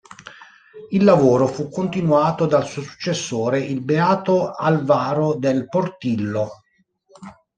Il lavoro fu continuato dal suo successore, il beato Álvaro del Portillo.